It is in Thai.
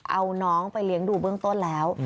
เอาน้องไปเลี้ยงดูเบื้องต้นแล้ว